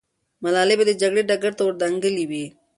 ملالۍ به د جګړې ډګر ته ور دانګلې وي.